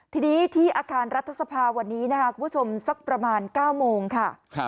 ทีนี้ที่อาคารรัฐสภาวันนี้นะคะคุณผู้ชมสักประมาณ๙โมงค่ะ